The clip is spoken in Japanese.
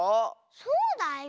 そうだよ。